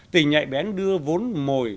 tỉnh nhạy bén đưa vốn mồi